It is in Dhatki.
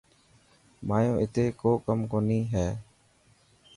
مايو اتي ڪو ڪم ڪوني هي.